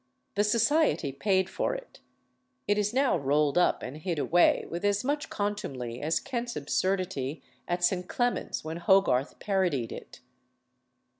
The society paid for it. It is now rolled up and hid away with as much contumely as Kent's absurdity at St. Clement's when Hogarth parodied it.